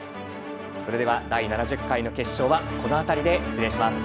それでは第７０回の決勝はこの辺りで失礼します。